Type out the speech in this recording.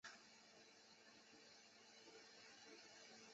反应佛道融合之民间信仰特色。